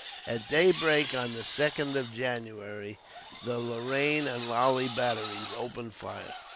At daybreak on the 2nd of January, the Lorraine and Lally Batteries opened fire.